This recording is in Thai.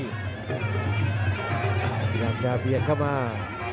พยายามจะเบียดเข้ามา